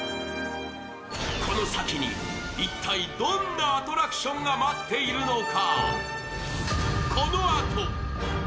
この先に一体どんなアトラクションが待っているのか。